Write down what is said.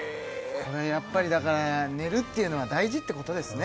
これやっぱりだから寝るっていうのは大事ってことですね